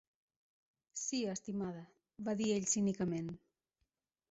"Sí, estimada", va dir ell cínicament.